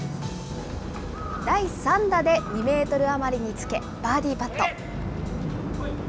第３打で２メートル余りにつけ、バーディーパット。